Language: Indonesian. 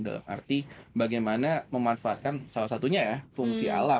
dalam arti bagaimana memanfaatkan salah satunya ya fungsi alam